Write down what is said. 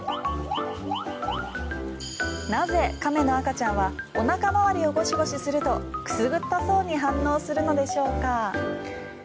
なぜ亀の赤ちゃんはおなか回りをごしごしするとくすぐったそうに反応するのでしょうか。